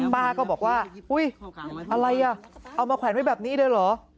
ป้าก็บอกว่าอุ๊ยอะไรอ่ะเอามาแขวนไว้แบบนี้เลยเหรอ